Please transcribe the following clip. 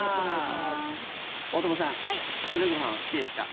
大友さん白いご飯好きですか？